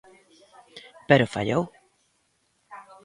Pero fallou.